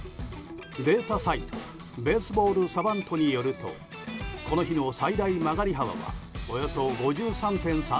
データサイトベースボール・サバントによるとこの日の最大曲がり幅はおよそ５３．３ｃｍ。